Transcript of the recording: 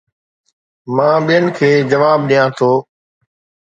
مان ٻين کي جواب ڏيان ٿو